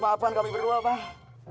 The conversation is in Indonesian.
maafkan kami berdua bang